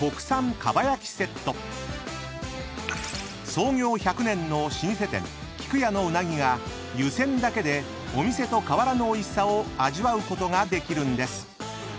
［創業１００年の老舗店菊屋のうなぎが湯煎だけでお店と変わらぬおいしさを味わうことができるんです］